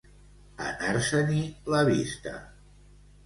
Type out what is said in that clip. Anar-se-n'hi la vista.